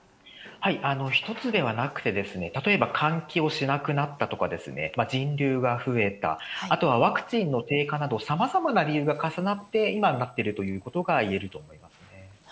１つではなくて、例えば換気をしなくなったとかですね、人流が増えた、あとはワクチンの低下など、さまざまな理由が重なって、今になっているということが言えると思いますね。